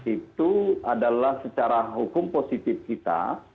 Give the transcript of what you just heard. itu adalah secara hukum positif kita